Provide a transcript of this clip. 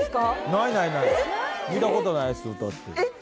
ないないない見たことないですえっ！